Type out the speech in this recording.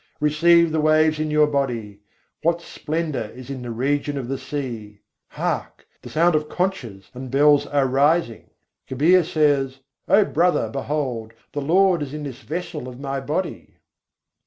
Receive the waves in your body: what splendour is in the region of the sea! Hark! the sounds of conches and bells are rising. Kabîr says: "O brother, behold! the Lord is in this vessel of my body."